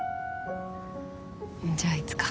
じゃあいつか。